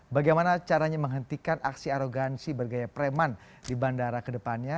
bagaimana caranya menghentikan aksi arogansi bergaya preman di bandara kedepannya